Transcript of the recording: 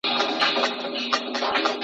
ارام ذهن ستاسو حافظه پیاوړې کوي.